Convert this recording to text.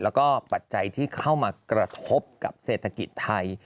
แล้วก็ปัจจัยที่เข้ามากระทบกับเศรษฐกิจไทย